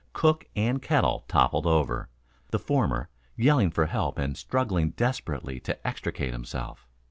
Cook and kettle toppled over, the former yelling for help and struggling desperately to extricate himself.